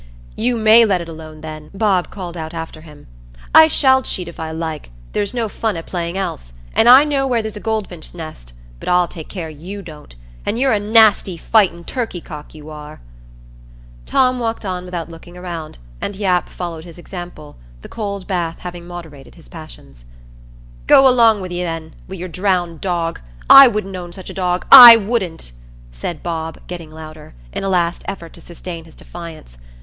"You may let it alone, then," Bob called out after him. "I shall cheat if I like; there's no fun i' playing else; and I know where there's a goldfinch's nest, but I'll take care you don't. An' you're a nasty fightin' turkey cock, you are——" Tom walked on without looking around, and Yap followed his example, the cold bath having moderated his passions. "Go along wi' you, then, wi' your drowned dog; I wouldn't own such a dog—I wouldn't," said Bob, getting louder, in a last effort to sustain his defiance.